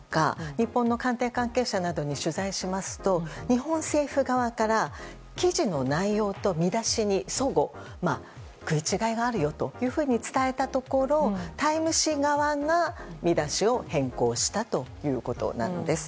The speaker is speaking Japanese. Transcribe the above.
日本の官邸関係者などに取材しますと日本政府側から記事の内容と見出しに齟齬、食い違いがあるよと伝えたところ「タイム」誌側が、見出しを変更したということです。